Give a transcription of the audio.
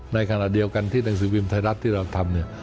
ในขณะเดียวกันที่หนังสือพิมพ์ไทยรัฐที่เราทำเนี่ย